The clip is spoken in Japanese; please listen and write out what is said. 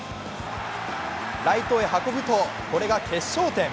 ライトへ運ぶとこれが決勝点。